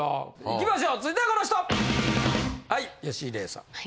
いきましょう続いてはこの人！